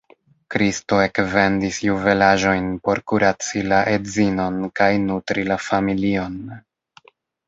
Kristo ekvendis juvelaĵojn por kuraci la edzinon kaj nutri la familion.